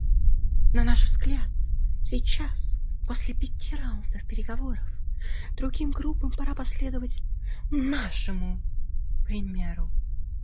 На наш взгляд, сейчас, после пяти раундов переговоров, другим группам пора последовать нашему примеру.